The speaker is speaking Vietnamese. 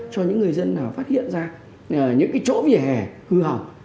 cho những người dân nào phát hiện ra những cái chỗ vỉa hè hư hỏng